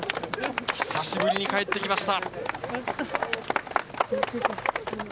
久しぶりに帰ってきました。